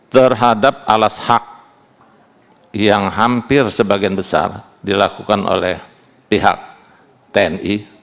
terhadap alas hak yang hampir sebagian besar dilakukan oleh pihak tni